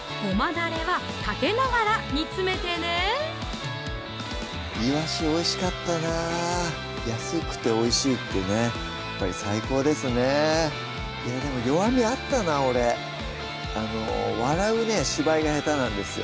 だれはかけながら煮詰めてねいわしおいしかったな安くておいしいってねやっぱり最高ですねでも弱みあったな俺笑う芝居が下手なんですよ